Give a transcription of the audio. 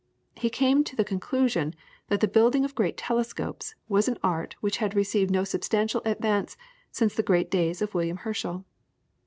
He came to the conclusion that the building of great telescopes was an art which had received no substantial advance since the great days of William Herschel.